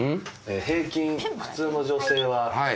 平均普通の女性は５本。